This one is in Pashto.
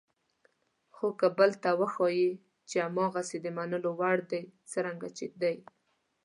خو که بل ته وښایئ چې هماغسې د منلو وړ دي څرنګه چې دي.